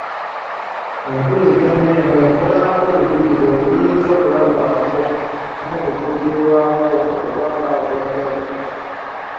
Empuliziganya eno ekola ng'obujulizi obuyinza okulabwako n'okujjukirirwako obubaka obw'enjawulo.